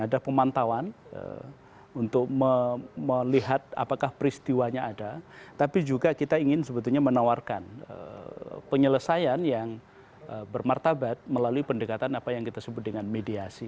ada pemantauan untuk melihat apakah peristiwanya ada tapi juga kita ingin sebetulnya menawarkan penyelesaian yang bermartabat melalui pendekatan apa yang kita sebut dengan mediasi